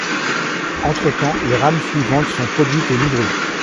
Entre-temps, les rames suivantes sont produites et livrées.